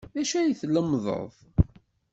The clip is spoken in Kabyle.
D acu ay tlemmdeḍ?